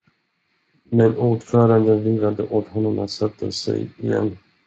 Men ordföranden vinkade åt honom att sätta sig igen.